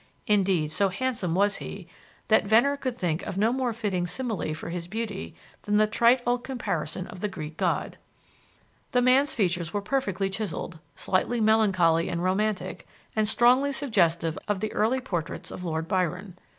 Indeed, so handsome was he, that Venner could think of no more fitting simile for his beauty than the trite old comparison of the Greek god. The man's features were perfectly chiselled, slightly melancholy and romantic, and strongly suggestive of the early portraits of Lord Byron.